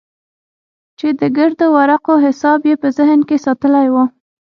چې د ګردو ورقو حساب يې په ذهن کښې ساتلى سو.